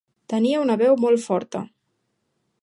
Tenia una veu molt forta.